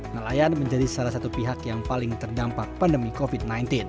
nelayan menjadi salah satu pihak yang paling terdampak pandemi covid sembilan belas